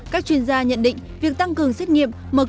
các chuyên gia nhận định việc tăng cường xét nghiệm